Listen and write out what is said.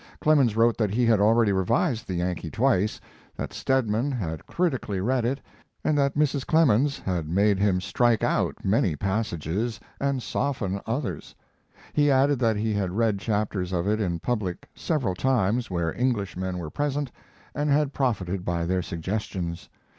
Clemens wrote that he had already revised the Yankee twice, that Stedman had critically read it, and that Mrs. Clemens had made him strike out many passages and soften others. He added that he had read chapters of it in public several times where Englishmen were present and had profited by their suggestions.